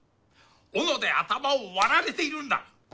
斧で頭を割られているんだ。